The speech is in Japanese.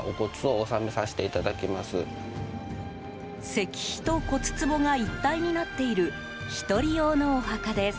石碑と骨つぼが一体になっている１人用のお墓です。